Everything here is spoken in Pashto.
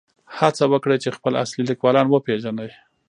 هڅه وکړئ چې خپل اصلي لیکوالان وپېژنئ.